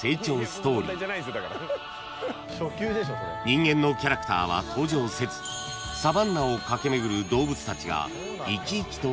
［人間のキャラクターは登場せずサバンナを駆けめぐる］